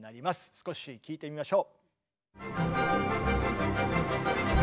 少し聴いてみましょう。